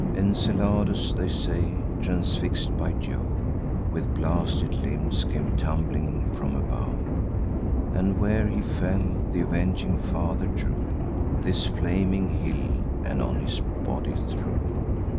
Enceladus, they say, transfix'd by Jove, With blasted limbs came tumbling from above; And, where he fell, th' avenging father drew This flaming hill, and on his body threw.